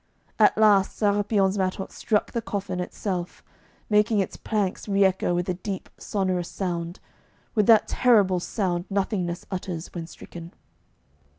At last Séra pion's mattock struck the coffin itself, making its planks re echo with a deep sonorous sound, with that terrible sound nothingness utters when stricken.